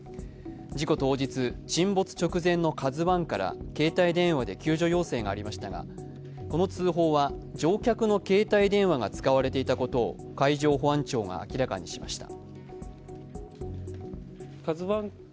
事故当日、沈没直前の「ＫＡＺＵⅠ」から携帯電話で救助要請がありましたがこの通報は乗客の携帯電話が使われていたことを海上保安庁が明らかにしました。